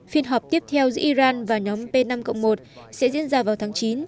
phiên họp tiếp theo giữa iran và nhóm p năm một sẽ diễn ra vào tháng chín